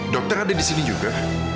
dokter ada disini juga